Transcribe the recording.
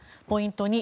ポイント